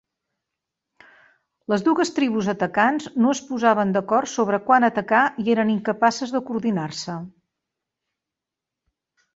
Les dues tribus atacants no es posaven d"acord sobre quan atacar i eren incapaces de coordinar-se.